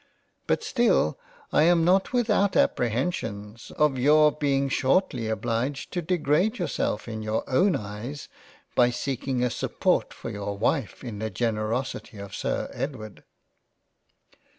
But still I am not without apprehensions of your being shortly obliged to degrade yourself in your own eyes by seeking a support for your wife in the Generosity of Sir Edward."